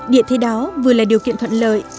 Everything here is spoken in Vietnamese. điện thế đó vừa là điều kiện thuận lợi